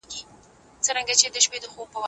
تاسو د خپلو مالونو ساتنه وکړئ.